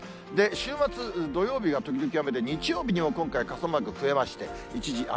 週末土曜日は時々雨で、日曜日に今回、傘マーク増えまして、一時雨。